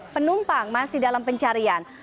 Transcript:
tiga puluh enam penumpang masih dalam pencarian